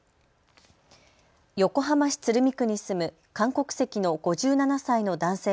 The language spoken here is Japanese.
横浜市鶴見区に住む韓国籍の５７歳の男性